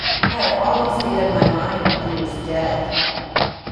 I had almost made up my mind that he was dead.